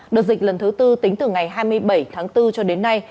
đợt dịch lần thứ tư tính từ ngày hai mươi bảy tháng bốn cho đến nay